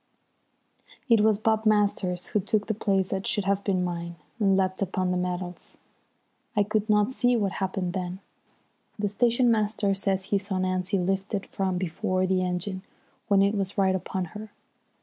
It was Bob Masters who took the place that should have been mine, and leapt upon the metals. I could not see what happened then. The station master says he saw Nancy lifted from before the engine when it was right upon her.